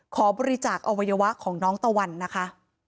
ขอบริจาคอวัยวะของน้องตะวันนะคะ